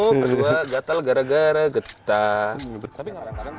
kedua gatel gara gara getah